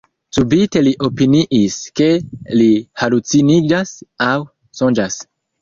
Subite li opiniis, ke li haluciniĝas aŭ sonĝas.